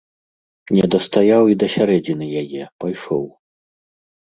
Не дастаяў і да сярэдзіны яе, пайшоў.